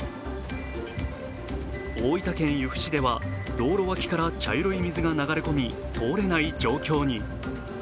大分県由布市では道路脇から茶色い水が流れ込み、通れない状況に。